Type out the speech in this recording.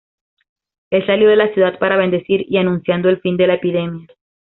Él salió de la ciudad para bendecir y anunciando el fin de la epidemia.